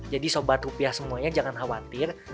jadi sobat rupiah semuanya jangan khawatir